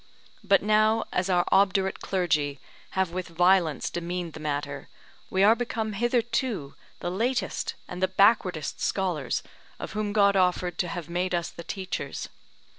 But now, as our obdurate clergy have with violence demeaned the matter, we are become hitherto the latest and the backwardest scholars, of whom God offered to have made us the teachers.